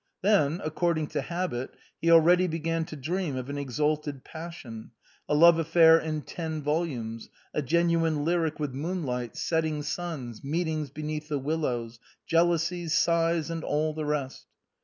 Then, according to habit, he already began to dream of an exalted passion, a love affair in ten volumes, a genuine lyric poem with moonlight, setting suns, meetings beneath the willows, jealousies, sighs, and all the rest.